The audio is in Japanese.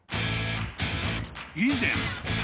［以前］